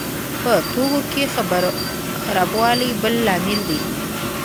په توکو کې خرابوالی بل لامل دی.